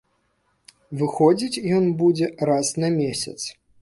Выходзіць ён будзе раз на месяц.